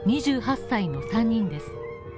２８歳の３人です。